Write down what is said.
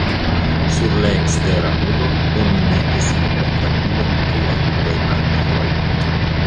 Sur la ekstera muro oni metis memortabulon pri la judaj martiroj.